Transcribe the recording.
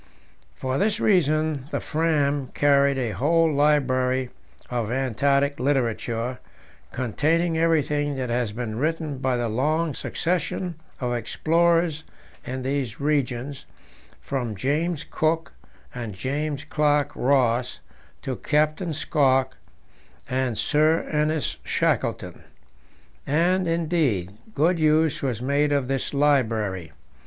For this reason the Fram carried a whole library of Antarctic literature, containing everything that has been written by the long succession of explorers in these regions, from James Cook and James Clark Ross to Captain Scott and Sir Ernest Shackleton. And, indeed, good use was made of this library.